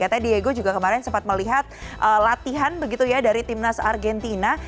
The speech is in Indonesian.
katanya diego juga kemarin sempat melihat latihan begitu ya dari timnas argentina